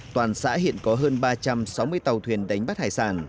toàn xã hiện có hơn ba trăm sáu mươi tàu thuyền đánh bắt hải sản